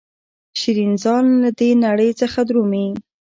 شیرین ځان له دې نړۍ څخه درومي.